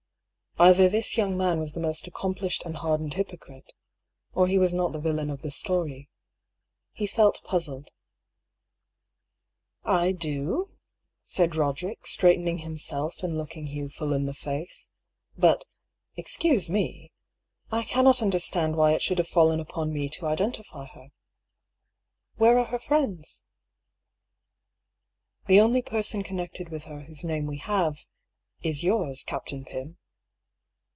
Either this young man was the most accomplished and hardened hypocrite — or he was not the villain of the story. He felt puzzled. "I — do," said Eoderick, straightening himself and looking Hugh full in the face. "But — excuse me — I cannot understand why it should have fallen upon me to identify her. Where are her friends ?"" The only person connected with her whose name we have — is yours, Captain Pym."